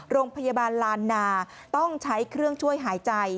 โรงพยาบาลลานนาต้องใช้เครื่องช่วยหายใจ